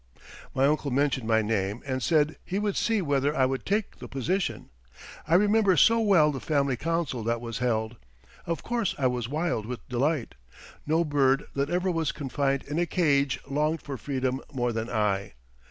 My uncle mentioned my name, and said he would see whether I would take the position. I remember so well the family council that was held. Of course I was wild with delight. No bird that ever was confined in a cage longed for freedom more than I.